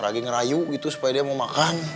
lagi ngerayu gitu supaya dia mau makan